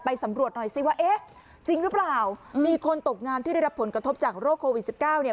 สำรวจหน่อยสิว่าเอ๊ะจริงหรือเปล่ามีคนตกงานที่ได้รับผลกระทบจากโรคโควิดสิบเก้าเนี่ย